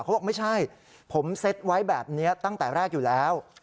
เขาบอกไม่ใช่ผมเซ็ตไว้แบบนี้ตั้งแต่แรกอยู่แล้ว